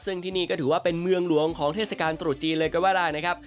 ซึ่งที่นี่ก็ถือว่าเป็นเมืองหลวงของเทศกาลตรุษจีนเลยก็ว่าได้นะครับ